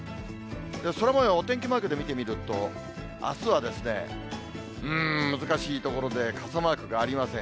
空もようをお天気マークで見てみると、あすはうーん、難しいところで、傘マークがありません。